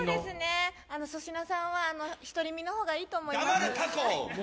粗品さんは独り身の方がいいと思います黙れ！